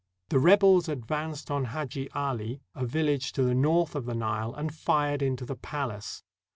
The rebels advanced on Hadji Ali, a village to the north of the Nile, and fired into the palace.